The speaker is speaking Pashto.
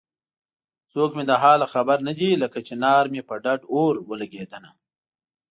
څوک مې د حاله خبر نه دی لکه چنار مې په ډډ اور ولګېدنه